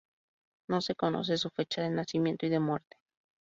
No se conoce su fecha de nacimiento y de muerte.